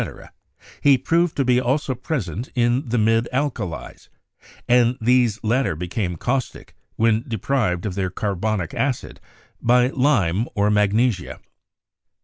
— he proved to be also present in the mild alkalies; and these latter became caustic when deprived of their carbonic acid by lime or magnesia.